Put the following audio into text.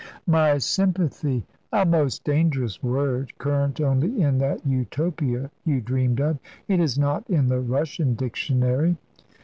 "My sympathy " "A most dangerous word, current only in that Utopia you dreamed of. It is not in the Russian dictionary."